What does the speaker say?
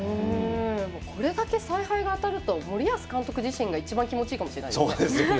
これだけ采配が当たると森保監督自身が一番気持ちいいかもしれないですね。